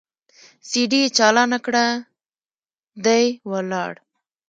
سي ډي يې چالانه کړه دى ولاړ.